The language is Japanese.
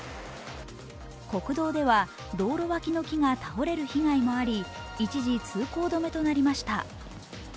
国道では、道路脇の木が倒れる被害もあり、一時、通行止めとなりました。